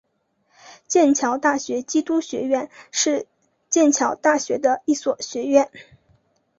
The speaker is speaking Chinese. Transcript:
剑桥大学基督学院是剑桥大学的一所学院。